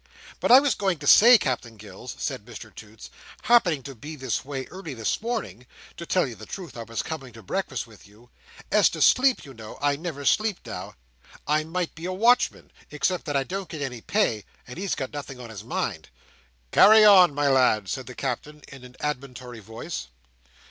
"But I was going to say, Captain Gills," said Mr Toots. "Happening to be this way early this morning—to tell you the truth, I was coming to breakfast with you. As to sleep, you know, I never sleep now. I might be a Watchman, except that I don't get any pay, and he's got nothing on his mind." "Carry on, my lad!" said the Captain, in an admonitory voice.